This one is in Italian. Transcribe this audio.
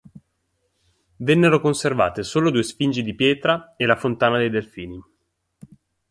Vennero conservate solo due sfingi di pietra e la fontana dei delfini.